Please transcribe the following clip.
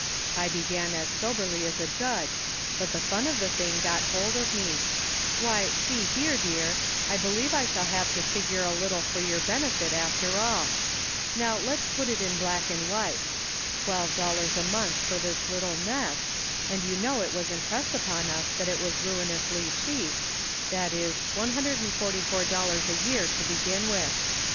" I began as soberly as a judge, but the fun of the thing got hold of me ; why see here, dear, I believe I shall have to figure a little for your benefit, after all. Now let's put it in black and white. Twelve dollars a month for this little nest, and you know it was impressed upon us that it was ruinously cheap, that is one hundred and forty four dollars a year to begin with.